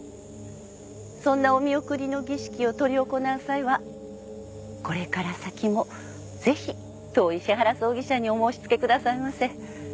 そんなお見送りの儀式を執り行う際はこれから先もぜひ当石原葬儀社にお申し付けくださいませ。